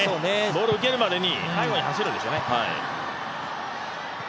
ボールを受けるまでに背後に走るんでしょうね。